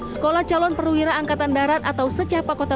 sekolah calon perwira angkatan darat atau secah pakota barat